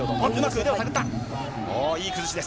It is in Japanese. いい崩しです。